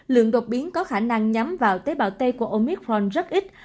lượng đột biến có khả năng nhắm vào tế bào tây của omicron rất ít